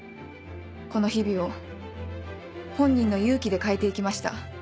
この日々を本人の勇気で変えていきました。